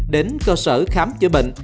đến cơ sở khám chữa bệnh